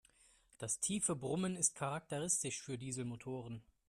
Das tiefe Brummen ist charakteristisch für Dieselmotoren.